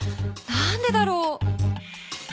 何でだろう？